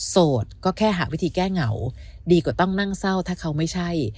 โสดก็แค่หาวิธีแก้เหงาดีกว่าต้องนั่งเศร้าถ้าเขาไม่ใช่